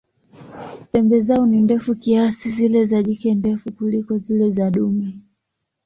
Pembe zao ni ndefu kiasi, zile za jike ndefu kuliko zile za dume.